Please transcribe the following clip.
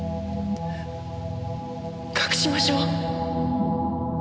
隠しましょう。